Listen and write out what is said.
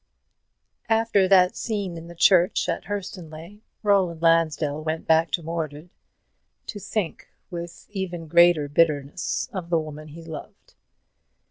After that scene in the church at Hurstonleigh, Roland Lansdell went back to Mordred; to think, with even greater bitterness, of the woman he loved.